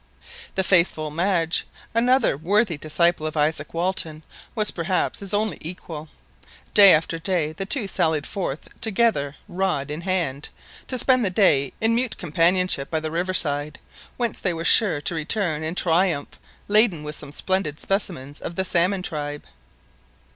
The faithful Madge, another worthy disciple of Isaak Walton was perhaps his only equal. Day after day the two sallied forth together rod in hand, to spend the day in mute companionship by the river side, whence they were sure to return in triumph laden with some splendid specimens of the salmon tribe.